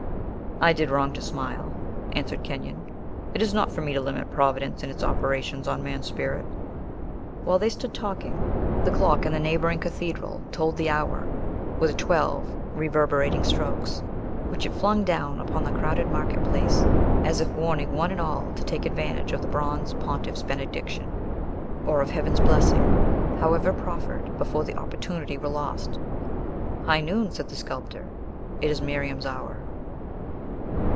"I did wrong to smile," answered Kenyon. "It is not for me to limit Providence in its operations on man's spirit." While they stood talking, the clock in the neighboring cathedral told the hour, with twelve reverberating strokes, which it flung down upon the crowded market place, as if warning one and all to take advantage of the bronze pontiff's benediction, or of Heaven's blessing, however proffered, before the opportunity were lost. "High noon," said the sculptor. "It is Miriam's hour!"